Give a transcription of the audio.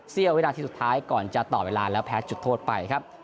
วินาทีสุดท้ายก่อนจะต่อเวลาแล้วแพ้จุดโทษไปครับ